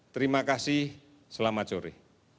terima kasih selamat sore